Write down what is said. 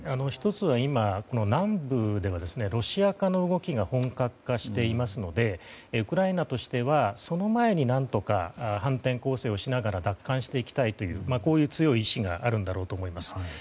１つは今、南部ではロシア化の動きが本格化していますのでウクライナとしてはその前に何とか反転攻勢をしながら奪還していきたいという強い意志があるんだろうと思います。